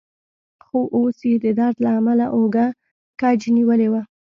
خو اوس يې د درد له امله اوږه کج نیولې وه.